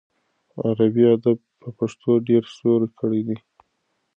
عربي ادب په پښتو ډېر سیوری کړی دی.